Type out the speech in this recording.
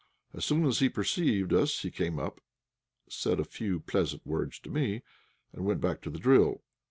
As soon as he perceived us he came up, said a few pleasant words to me, and went back to the drill.